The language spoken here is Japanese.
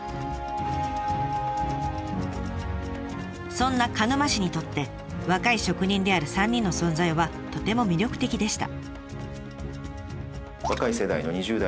そんな鹿沼市にとって若い職人である３人の存在はとても魅力的でした。